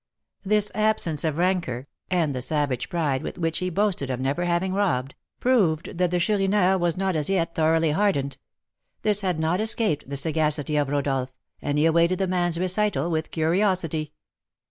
This absence of rancour, and the savage pride with which he boasted of never having robbed, proved that the Chourineur was not as yet thoroughly hardened. This had not escaped the sagacity of Rodolph, and he awaited the man's recital with curiosity.